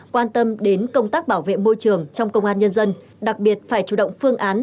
quan tâm đến công tác bảo vệ môi trường trong công an nhân dân đặc biệt phải chủ động phương án